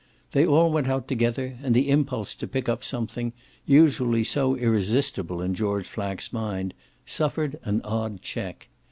They all went out together, and the impulse to pick up something, usually so irresistible in George Flack's mind, suffered an odd check.